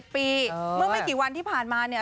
เมื่อไม่กี่วันที่ผ่านมาเนี่ย